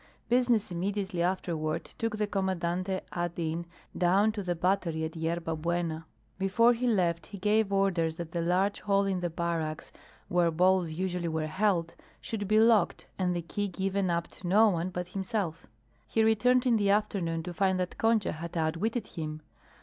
Business immediately afterward took the Commandante ad. in. down to the Battery at Yerba Buena. Before he left he gave orders that the large hall in the barracks, where balls usually were held, should be locked and the key given up to no one but himself. He returned in the afternoon to find that Concha had outwitted him.